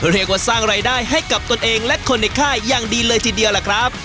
เรียกว่าสร้างรายได้ให้กับตนเองและคนในค่ายอย่างดีเลยทีเดียวล่ะครับ